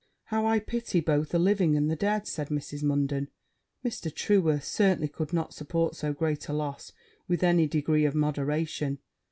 'How I pity both the living and the dead!' said Mrs. Munden. 'Mr. Trueworth, certainly, could not support so great a loss with any degree of moderation?'